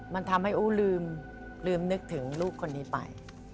มันทำให้อู้ลืมนึกถึงลูกคนนี้ไป